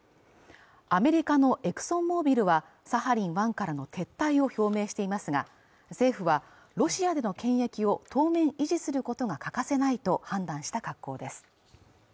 アメリカのエクソンモービルはサハリン１からの撤退を表明していますが政府はロシアでの権益を当面維持することが欠かせないと判断した格好です